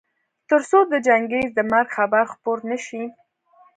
تر څو د چنګېز د مرګ خبر خپور نه شي.